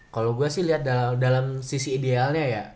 kalau gue sih lihat dalam sisi idealnya ya